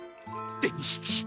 伝七！